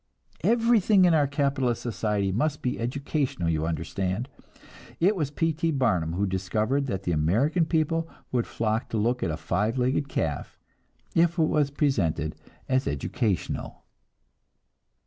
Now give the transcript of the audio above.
Everything in our capitalist society must be "educational," you understand. It was P. T. Barnum who discovered that the American people would flock to look at a five legged calf, if it was presented as "educational."